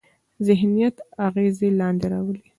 ذهنیت اغېز لاندې راولي.